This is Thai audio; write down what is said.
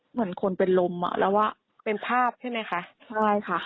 เหมือนคนเป็นลมอ่ะแล้วว่าเป็นภาพใช่ไหมคะใช่ค่ะ